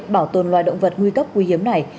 bảo tồn loài động vật nguy cấp quý hiếm này